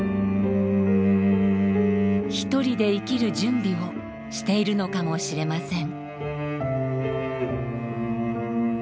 独りで生きる準備をしているのかもしれません。